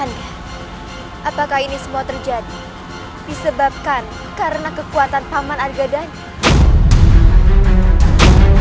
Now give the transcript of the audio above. ayah apakah ini semua terjadi disebabkan karena kekuatan paman agadani